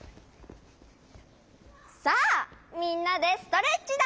さあみんなでストレッチだ！